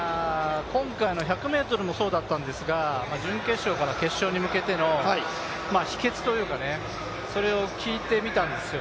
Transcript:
今回の１００ｍもそうだったんですが、準決勝から決勝に向けての秘けつというか、それを聞いてみたんですよ。